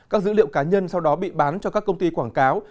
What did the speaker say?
các dữ liệu cá nhân sau đó bị bán cho các công ty quảng cáo